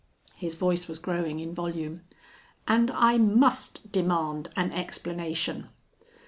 His voice was growing in volume. "And I must demand an explanation."